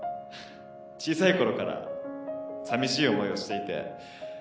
小さいころからさみしい思いをしていて。